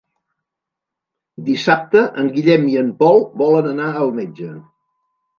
Dissabte en Guillem i en Pol volen anar al metge.